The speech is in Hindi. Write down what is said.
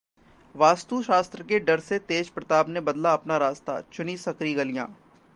वास्तुशास्त्र के डर से तेज प्रताप ने बदला अपना रास्ता, चुनी संकरी गलियां